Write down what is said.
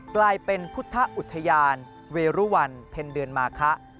กลายเป็นพุทธอุทยานเวรุวันเพ็ญเดือนมาคะ